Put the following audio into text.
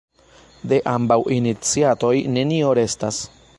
De ambaŭ iniciatoj nenio restas.